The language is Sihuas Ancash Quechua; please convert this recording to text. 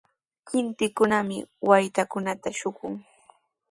Kintikunami waytakunata shuqun.